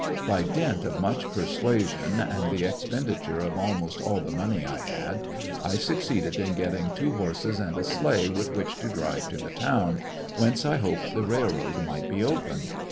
By dint of much persuasion and the expenditure of almost all the money I had, I succeeded in getting two horses and a sleigh with which to drive to the town, whence I hoped the railroad might be open.